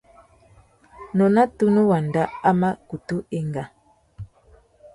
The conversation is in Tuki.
Nôna tunu wanda a mà kutu enga.